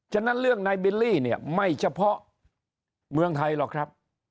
ฉะนั้นเรื่องนายบิลลี่เนี่ยไม่เฉพาะเมืองไทยหรอกครับ